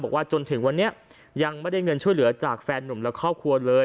บอกว่าจนถึงวันนี้ยังไม่ได้เงินช่วยเหลือจากแฟนหนุ่มและครอบครัวเลย